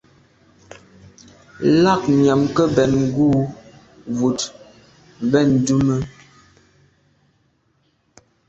Lagnyam ke mbèn ngù wut ben ndume.